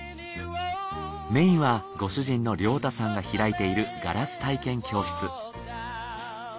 メインはご主人の亮太さんが開いているガラス体験教室。